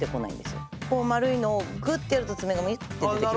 こう丸いのをぐってやると爪がみゅって出てきます。